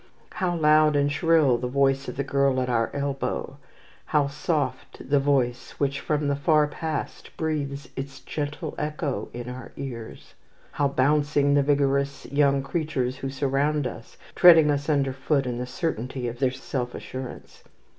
How loud and shrill the voice of the girl at our elbow. How soft the voice which from the far past breathes its gentle echo in our ears. How bouncing the vigorous young creatures who surround us, treading us under foot in the certainty of their self assurance.